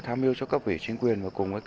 khi ở trong quận dân